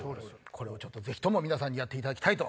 これをぜひとも皆さんにやっていただきたい。